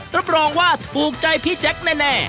รับรองว่าถูกใจพี่แจ๊คแน่